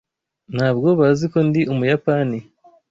Ntabwo bazi ko ndi Umuyapani.